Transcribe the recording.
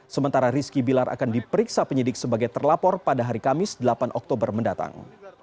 sementara rizky bilar akan diperiksa penyidik sebagai terlapor pada hari kamis delapan oktober mendatang